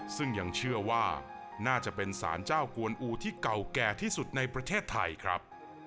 ซึ่งยังเชื่อว่าน่าจะเป็นสารเจ้ากวนอูที่เก่าแก่ที่สุดในประเทศไทยครับ